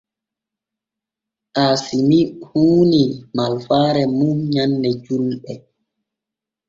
Aasimi huunii malfaare mum nyanne julɗe.